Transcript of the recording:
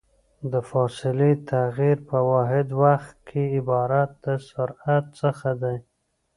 د فاصلې تغير په واحد وخت کې عبارت د سرعت څخه ده.